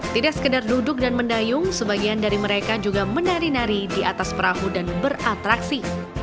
tidak sekedar duduk dan mendayung sebagian dari mereka juga menari nari di atas perahu dan beratraksi